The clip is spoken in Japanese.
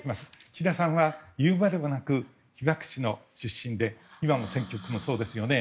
岸田さんは言うまでもなく被爆地の出身で今の選挙区もそうですよね。